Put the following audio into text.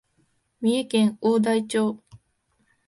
三重県大台町